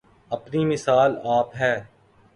اپنی مثال آپ ہے